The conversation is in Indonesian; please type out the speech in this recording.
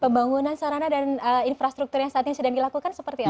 pembangunan sarana dan infrastruktur yang saat ini sedang dilakukan seperti apa